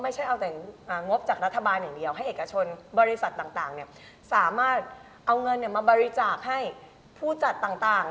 ไม่ใช่เอาแต่งบจากรัฐบาลอย่างเดียวให้เอกชนบริษัทต่างสามารถเอาเงินมาบริจาคให้ผู้จัดต่าง